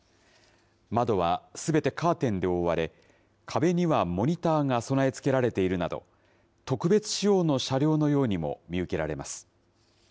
窓はすべてカーテンで覆われ、壁にはモニターが備え付けられているなど、特別仕様の車両のようにも見受けられます。